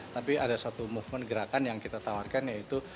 tapi ada satu movement gerakan yang kita tawarkan yaitu